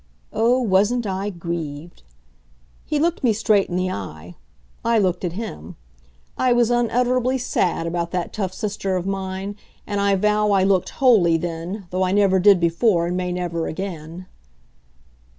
Oh, wasn't I grieved! He looked me straight in the eye. I looked at him. I was unutterably sad about that tough sister of mine, and I vow I looked holy then, though I never did before and may never again.